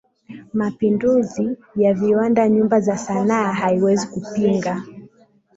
Mapinduzi ya viwanda Nyumba za sanaa Haiwezi kupinga